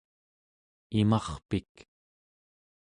imarpik